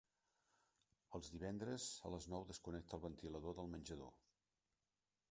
Els divendres a les nou desconnecta el ventilador del menjador.